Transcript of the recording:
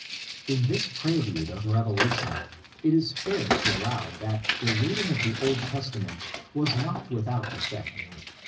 In this prelude of revolution, it is fair to allow that the reading of the Old Testament was not without effect.